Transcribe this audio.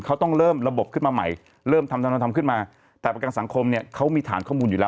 เขาต้องเริ่มระบบขึ้นมาใหม่เริ่มทำขึ้นมาแต่ประกันสังคมเนี่ยเขามีฐานข้อมูลอยู่แล้ว